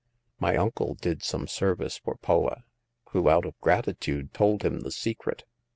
My uncle did some service for Poa, who, out of gratitude, told him the secret.